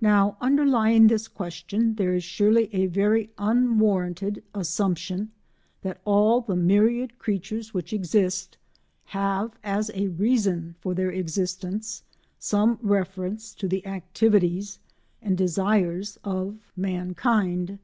Now underlying this question there is surely a very unwarranted assumption that all the myriad creatures which exist have, as a reason for their existence, some reference to the activities and desires of mankind.